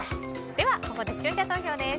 ここで視聴者投票です。